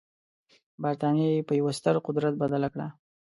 برټانیه یې په یوه ستر قدرت بدله کړه.